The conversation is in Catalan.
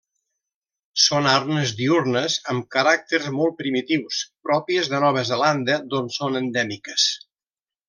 Són arnes diürnes, amb caràcters molt primitius, pròpies de Nova Zelanda, d'on són endèmiques.